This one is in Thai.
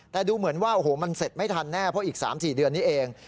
แต่ดูเหมือนว่าโอ้โหมันเสร็จไม่ทันแน่เพราะอีก๓๔เดือนนี้เอง